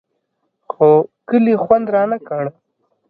خو کلي خوند رانه کړ.